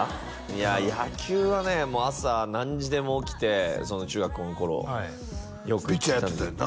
いや野球はね朝何時でも起きて中学校の頃ピッチャーやってたんよな？